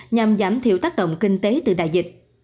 nhằm giảm thiểu tác động kinh tế từ đại dịch